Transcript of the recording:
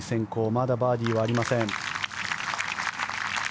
まだバーディーはありません。